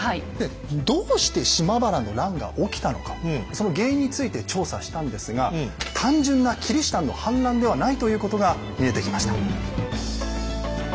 その原因について調査したんですが単純なキリシタンの反乱ではないということが見えてきました。